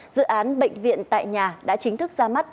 dự án bệnh viện tại nhà đã chính thức ra mắt